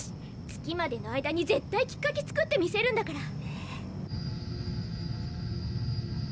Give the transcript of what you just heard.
月までの間に絶対きっかけ作ってみせるんだから！